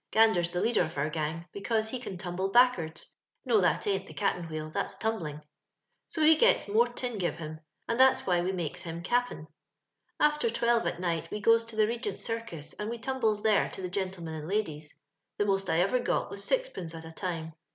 Gander's the leader of our gang, 'caose he eaa tumble back'ards (no, that aint the cat'en wheel, that's tumbling) ; so he gets more tin give him, and that's why we makes him cap'an. " After twelve at night we goes to the Be gent's Circus, and we tumbles there to the gentlemen and ladies. The most I ever ^ was sixpence at a time.